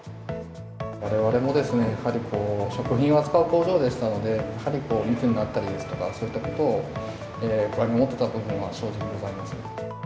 われわれもやはり、食品を扱う工場ですので、やはり密になったりですとか、そういったことを不安に思ってた部分は正直ございます。